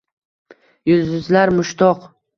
Yulduzlar mushtoq.